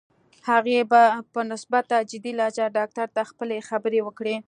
هغې په نسبتاً جدي لهجه ډاکټر ته خپلې خبرې وکړې.